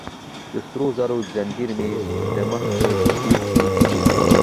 د سرو زرو ځنځیر مې يې د مخ په جیب کې کېښود.